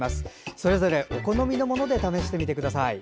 それぞれお好みのもので試してみてください。